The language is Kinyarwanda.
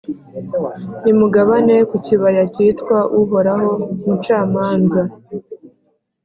nimugane ku kibaya cyitwa ’Uhoraho mucamanza’,